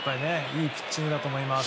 いいピッチングだと思います。